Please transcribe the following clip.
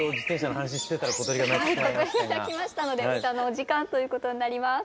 はい小鳥が鳴きましたので歌のお時間ということになります。